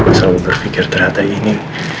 pas aku berpikir ternyata ini